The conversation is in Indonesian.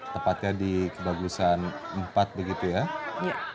tepatnya di kebagusan empat begitu ya